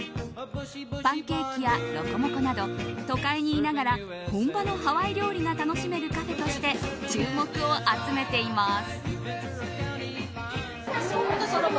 パンケーキやロコモコなど都会にいながら本場のハワイ料理が楽しめるカフェとして注目を集めています。